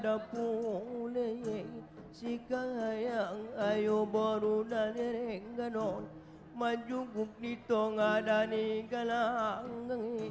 adab ule sikang ayam ayo baru dan ngeri ganon majub ditong adani galang